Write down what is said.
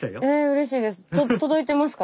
うれしいです。